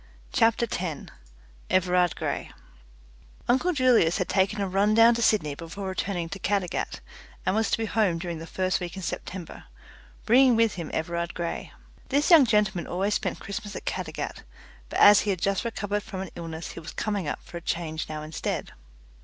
CHAPTER TEN Everard Grey Uncle Julius had taken a run down to Sydney before returning to Caddagat, and was to be home during the first week in September, bringing with him Everard Grey. This young gentleman always spent Christmas at Caddagat, but as he had just recovered from an illness he was coming up for a change now instead.